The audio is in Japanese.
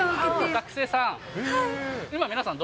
学生さん？